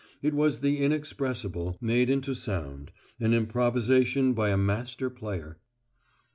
It was the inexpressible made into sound, an improvisation by a master player.